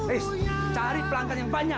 eh cari pelanggan yang banyak